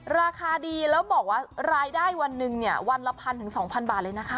ราคาดีแล้วบอกว่ารายได้วันหนึ่งเนี่ยวันละพันถึง๒๐๐บาทเลยนะคะ